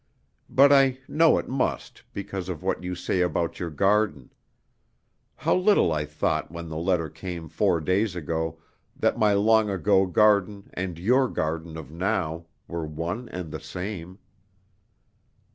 But I know it must, because of what you say about your garden. How little I thought when the letter came four days ago, that my long ago garden and your garden of now, were one and the same!